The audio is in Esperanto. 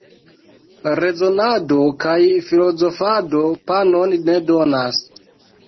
Rezonado kaj filozofado panon ne donas.